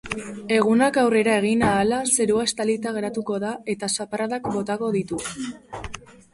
Egunak aurrera egin ahala zerua estalita geratuko da eta zaparradak botako ditu.